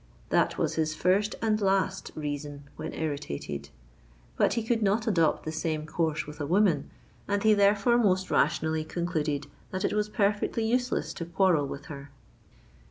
That was his first and last reason when irritated: but he could not adopt the same course with a woman, and he therefore most rationally concluded that it was perfectly useless to quarrel with her.